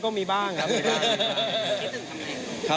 ก็มีบ้างครับมีบ้างครับ